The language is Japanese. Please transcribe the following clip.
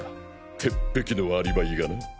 鉄壁のアリバイがな。